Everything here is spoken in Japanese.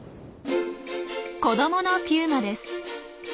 子どものピューマです。